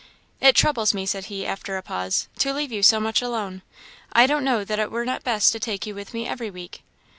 " "It troubles me," said he, after a pause, "to leave you so much alone. I don't know that it were not best to take you with me every week."